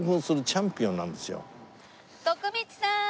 徳光さん！